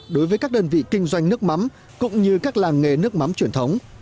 đối với các đơn vị kinh doanh nước mắm cũng như các làng nghề nước mắm truyền thống